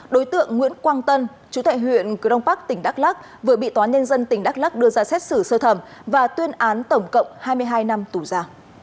đối tượng nguyễn quang tân chú thệ huyện cứu đông bắc tỉnh đắk lắc vừa bị tóa nhân dân tỉnh đắk lắc đưa ra xét xử sơ thẩm và tuyên án tổng cộng hai mươi hai năm tù giả